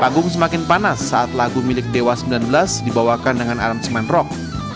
panggung semakin panas saat lagu milik dewa sembilan belas dibawakan dengan aransemen rock